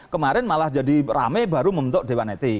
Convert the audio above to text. kemarin malah jadi rame baru membentuk dewan etik